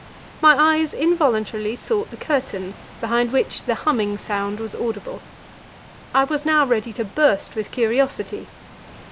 My eyes involuntarily sought the curtain, behind which the humming sound was audible. I was now ready to burst with curiosity.